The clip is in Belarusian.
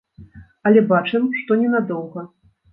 Але бачым, што ненадоўга.